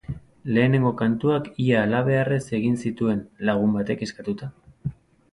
Lehenengo kantuak ia halabeharrez egin zituzten, lagun batek eskatuta.